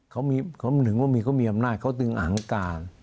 เขามีอำนาจเขาถึงหังกา